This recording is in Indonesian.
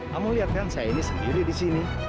kamu lihat kan saya ini sendiri disini